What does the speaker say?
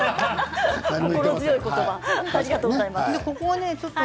心強い言葉ありがとうございます。